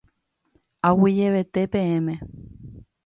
Aguyjevete peẽme.